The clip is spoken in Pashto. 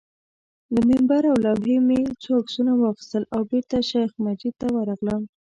له منبر او لوحې مې څو عکسونه واخیستل او بېرته شیخ مجید ته ورغلم.